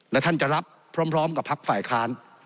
และท่านจะรับพร้อมกับพักฝ่ายค้าน